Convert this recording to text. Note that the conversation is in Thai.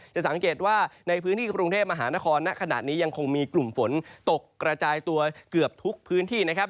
จะสังเกตว่าในพื้นที่กรุงเทพมหานครณขณะนี้ยังคงมีกลุ่มฝนตกกระจายตัวเกือบทุกพื้นที่นะครับ